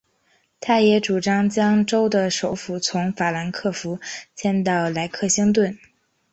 他也主张将州的首府从法兰克福迁到莱克星顿。